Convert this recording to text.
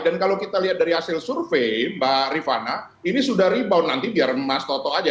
dan kalau kita lihat dari hasil survei mbak rifana ini sudah rebound nanti biar mas toto saja